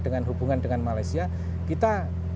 dengan hubungan dengan malaysia kita